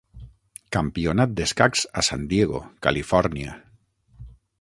Campionat d'escacs a San Diego, Califòrnia.